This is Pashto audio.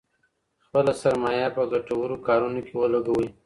خپله سرمايه په ګټورو کارونو کي ولګوئ.